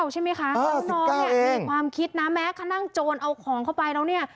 ใช่ไหมคะน้องเนี่ยมีความคิดนะแม้กระทั่งโจรเอาของเข้าไปแล้วเนี่ย